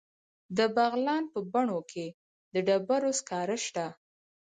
د بغلان په بنو کې د ډبرو سکاره شته.